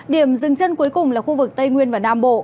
điểm dừng chân cuối cùng là khu vực tây nguyên và nam bộ